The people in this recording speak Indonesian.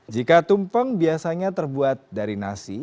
jika tumpeng biasanya terbuat dari nasi